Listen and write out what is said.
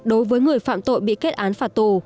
đối với người phạm tội bị kết án phạt tù